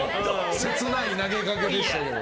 切ない投げかけでしたけど。